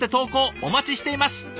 お待ちしています！